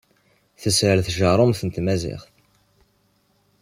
Teshel tjeṛṛumt n tmaziɣt.